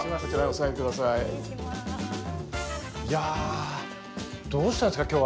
いやどうしたんですか今日は。